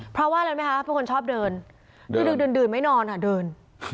พ่อว่าอะไรไหมคะทุกคนชอบเดินดื่นไม่นอนอะเดิน